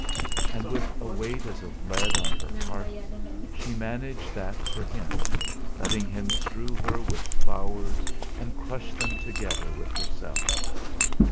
And with a weight as of lead on her heart, she managed that for him, letting him strew her with flowers and crush them together with herself.